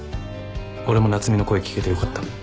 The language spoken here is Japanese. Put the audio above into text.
俺も夏海の声聞けてよかった。